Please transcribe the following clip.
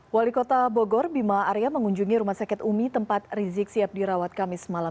wali kota bogor bima arya mengunjungi rumah sakit umi tempat rizik sihab dirawat kamis malam